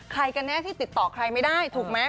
กันแน่ที่ติดต่อใครไม่ได้ถูกไหม